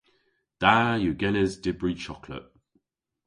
Da yw genes dybri choklet.